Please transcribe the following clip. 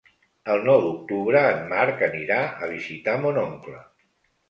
El nou d'octubre en Marc anirà a visitar mon oncle.